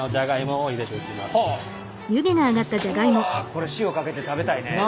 これ塩かけて食べたいね。